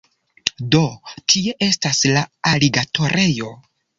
Do, tie estas la aligatorejo